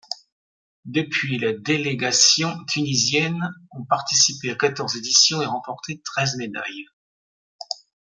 Depuis, les délégations tunisiennes ont participé à quatorze éditions et remporté treize médailles.